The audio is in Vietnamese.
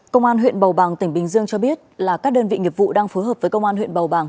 công an huyện bầu bàng tỉnh bình dương cho biết là các đơn vị nghiệp vụ đang phối hợp với công an huyện bầu bàng